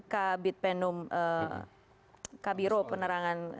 kak bitpenum kak biro penerangan